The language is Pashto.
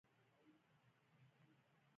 دا هغه دریځ و چې د اکبر پاچا په زمانه کې و.